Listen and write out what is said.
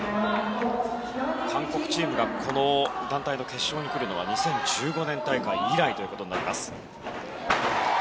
韓国チームがこの団体の決勝に来るのは２０１５年大会以来となります。